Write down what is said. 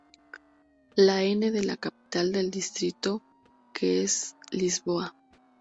Al N de la capital del distrito, que es Lisboa.